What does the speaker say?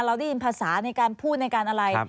เราได้ยินภาษาในการพูดในการอะไร